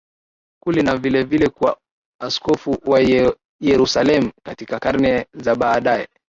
kule na vilevile kwa Askofu wa Yerusalemu Katika karne za baadaye